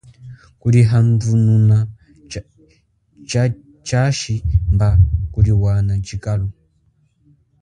Kulihandununa tshashi mba kuliwana tshikalu.